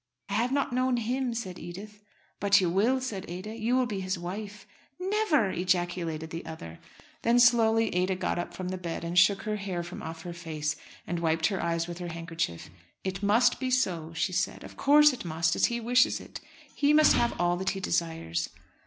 "I have not known him," said Edith. "But you will," said Ada. "You will be his wife." "Never!" ejaculated the other. Then slowly, Ada got up from the bed and shook her hair from off her face and wiped her eyes with her handkerchief. "It must be so," she said. "Of course it must, as he wishes it. He must have all that he desires."